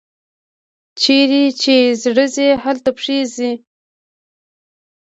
چیري چي زړه ځي، هلته پښې ځي.